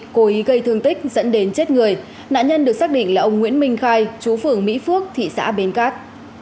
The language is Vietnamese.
cố ý gây thương tích dẫn đến chết người nạn nhân được xác định là ông nguyễn minh khai chú phường mỹ phước thị xã bến cát